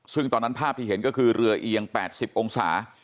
ซึ่งตอนนั้นภาพที่เห็นก็คือเรือเอียง๘๐องศา